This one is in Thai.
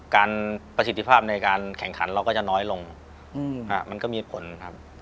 ประสิทธิภาพในการแข่งขันเราก็จะน้อยลงมันก็มีผลครับ